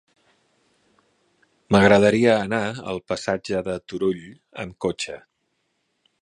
M'agradaria anar al passatge de Turull amb cotxe.